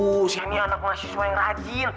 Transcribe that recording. disini anak mahasiswa yang rajin